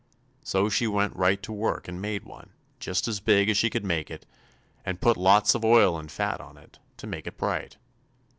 So she went right to work and made one, just as big as she could make it, and put lots of oil and fat on it, to make it bright.